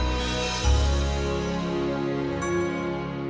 sama menang dia